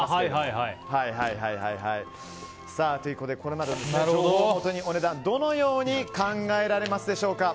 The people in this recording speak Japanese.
ということで、これまでの情報をもとに、お値段はどのように考えられますでしょうか。